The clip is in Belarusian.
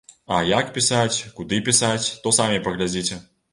А як пісаць, куды пісаць, то самі паглядзіце.